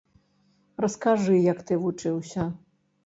Раскажы, як ты вучыўся?